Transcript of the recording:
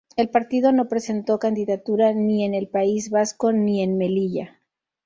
El partido no presentó candidatura ni en el País Vasco ni en Melilla.